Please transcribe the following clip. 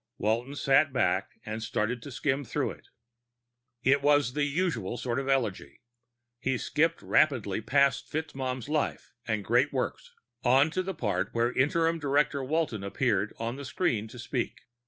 Walton sat back and started to skim through it. It was the usual sort of eulogy. He skipped rapidly past FitzMaugham's life and great works, on to the part where Interim Director Walton appeared on the screen to speak.